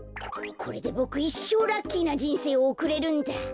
これでボクいっしょうラッキーなじんせいをおくれるんだ！